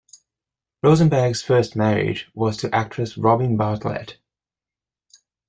Rosenberg's first marriage was to actress Robin Bartlett.